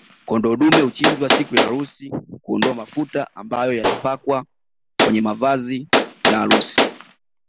Kondoo dume huchinjwa siku ya harusi kuondoa mafuta ambayo yatapakwa kwenye mavazi ya harusi